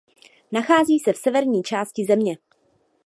Nachází se v severní části země.